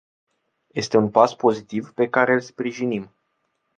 Este un pas pozitiv, pe care îl sprijinim.